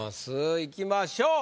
いきましょう。